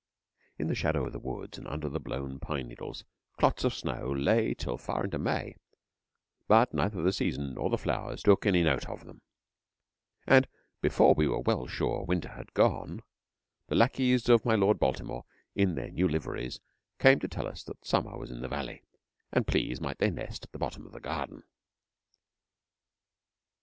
In the shadow of the woods and under the blown pine needles, clots of snow lay till far into May, but neither the season nor the flowers took any note of them, and, before we were well sure Winter had gone, the lackeys of my Lord Baltimore in their new liveries came to tell us that Summer was in the valley, and please might they nest at the bottom of the garden?